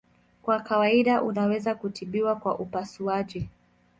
Kwa kawaida unaweza kutibiwa kwa upasuaji.